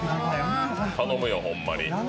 頼むよ、ホンマに。